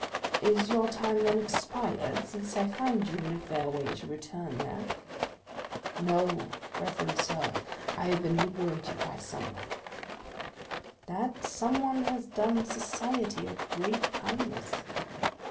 "Is your time, then, expired, since I find you in a fair way to return there?" "No, reverend sir; I have been liberated by someone." "That someone has done society a great kindness."